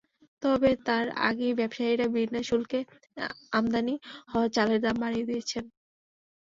তবে তার আগেই ব্যবসায়ীরা বিনা শুল্কে আমদানি হওয়া চালের দাম বাড়িয়ে দিয়েছেন।